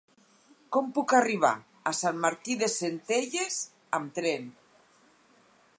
Com puc arribar a Sant Martí de Centelles amb tren?